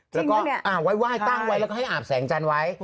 จริงหรือเปล่าใช่แล้วก็ไว้ว่ายตั้งไว้แล้วก็ให้อาบแสงจันทร์ไว้